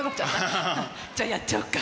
じゃあやっちゃおうか。